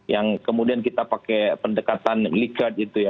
yang kemudian kita pakai pendekatan likert itu ya